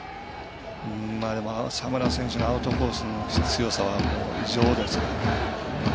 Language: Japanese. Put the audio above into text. でも、浅村選手のアウトコースの強さは異常ですからね。